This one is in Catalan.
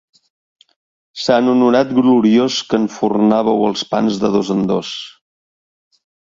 Sant Honorat gloriós, que enfornàveu els pans de dos en dos.